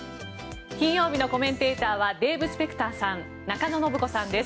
金曜日のコメンテーターはデーブ・スペクターさん中野信子さんです。